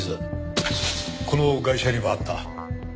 このガイシャにもあった。